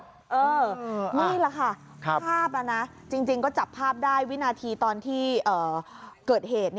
นี่แหละค่ะภาพจริงก็จับภาพได้วินาทีตอนที่เกิดเหตุ